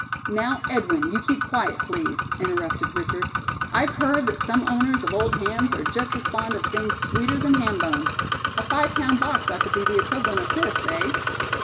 "Now, Edwin, you keep quiet, please," interrupted Richard. "I've heard that some owners of old hams are just as fond of things sweeter than ham bones. A five pound box ought to be the equivalent of this, eh?"